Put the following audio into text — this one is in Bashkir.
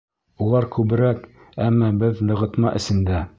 Улар күберәк, әммә беҙ нығытма эсендә.